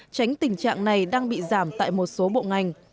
tránh tình trạng này đang bị giảm tại một số bộ ngành